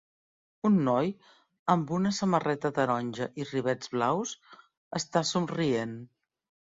Un noi amb una samarreta taronja i rivets blaus està somrient.